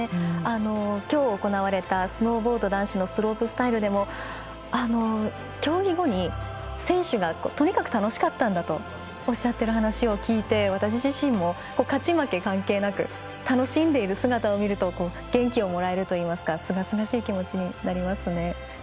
今日行われたスノーボード男子スロープスタイルでも競技後に、選手がとにかく楽しかったんだとおっしゃっている話を聞いて私自身も勝ち負け関係なく楽しんでいる姿を見ると元気をもらえるというかすがすがしい気持ちになりますね。